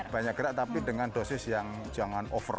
banyak gerak tapi dengan dosis yang jangan over